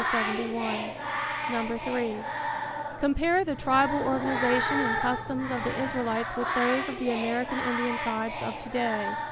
(3) Compare the tribal organization and customs of the Israelites with those of the American Indian tribes of to day.